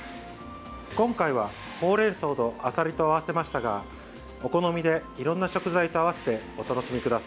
今回は、ほうれんそうとアサリと合わせましたがお好みでいろんな食材と合わせてお楽しみください。